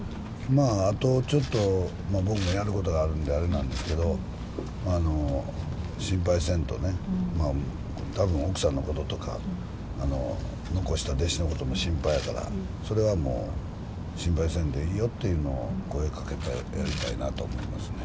まあ、あとちょっと、僕もやることあるんであれなんですけど、心配せんとね、たぶん奥さんのこととか、残した弟子のことも心配やから、それはもう心配せんでいいよっていうのは、声かけてやりたいなと思いますね。